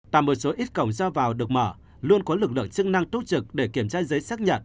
tạm một số ít cổng ra vào được mở luôn có lực lượng chức năng túc trực để kiểm tra giấy xét nghiệm